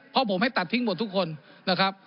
ผมไม่ตัดทิ้งหมดทุกคนนะครับ